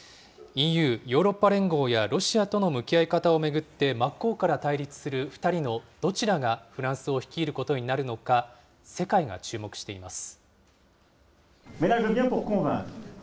ＥＵ・ヨーロッパ連合やロシアとの向き合い方を巡って、真っ向から対立する２人のどちらがフランスを率いることになるのか、世界が注目しています。